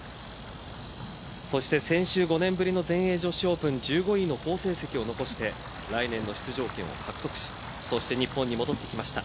そして先週５年ぶりの全英女子オープン１５位の好成績を残して来年の出場権を獲得しそして日本に戻ってきました。